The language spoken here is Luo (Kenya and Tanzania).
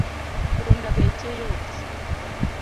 Punda beche yot